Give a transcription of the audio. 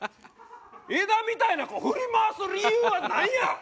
枝みたいな子振り回す理由はなんや！